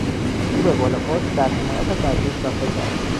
او به قول خود در حمایت از ارتش وفا کرد.